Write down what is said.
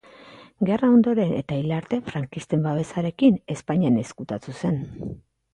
Gerra ondoren eta hil arte, frankisten babesarekin, Espainian ezkutatu zen.